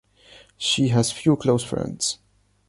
She has few close friends.